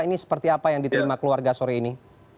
ini seperti apa yang diterima keluarga sore ini